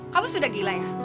kamu sudah gila ya